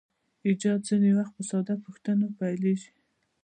ایجاد ځینې وخت په ساده پوښتنو پیلیږي.